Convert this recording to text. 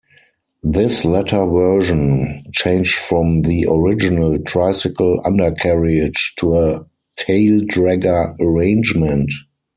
This latter version changed from the original tricycle undercarriage to a taildragger arrangement.